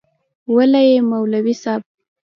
وله یی مولوی صیب.